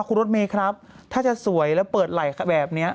คุณรถเมย์ครับถ้าจะสวยแล้วเปิดไหล่แบบนี้